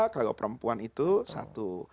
kalau perempuan itu satu